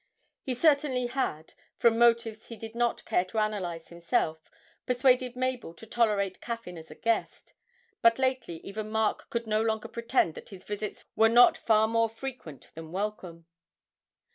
He certainly had, from motives he did not care to analyse himself, persuaded Mabel to tolerate Caffyn as a guest, but lately even Mark could no longer pretend that his visits were not far more frequent than welcome.